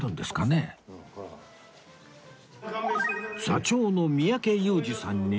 座長の三宅裕司さんに